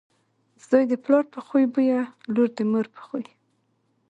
زوی دپلار په خوی بويه، لور دمور په خوی .